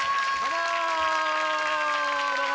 どうも！